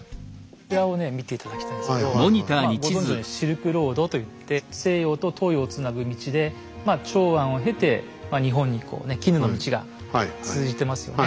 こちらを見て頂きたいんですけどまあご存じのように「シルクロード」と言って西洋と東洋をつなぐ道で長安を経て日本に絹の道が通じてますよね。